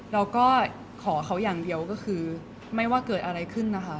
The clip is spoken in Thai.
เราก็ขอเขาอย่างเดียวก็คือไม่ว่าเกิดอะไรขึ้นนะคะ